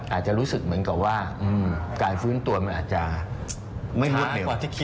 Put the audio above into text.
อาจจะรู้สึกเหมือนกับว่าการฟื้นตัวมันอาจจะไม่ลึก